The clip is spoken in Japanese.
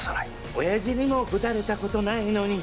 おやじにもぶたれたことないのに！